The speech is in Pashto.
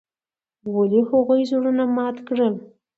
ولې هغوي زړونه مات کړل.